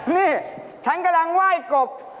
นี่ฉันกำลังไหว้กบ